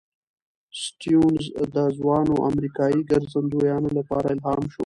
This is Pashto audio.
سټيونز د ځوانو امریکايي ګرځندویانو لپاره الهام شو.